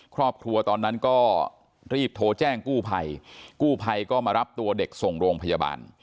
ตอนนั้นก็รีบโทรแจ้งกู้ภัยกู้ภัยก็มารับตัวเด็กส่งโรงพยาบาล